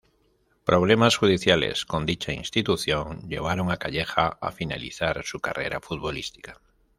Problemas judiciales con dicha institución, llevaron a Calleja a finalizar su carrera futbolística.